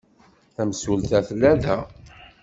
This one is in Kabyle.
Tamsulta tella da.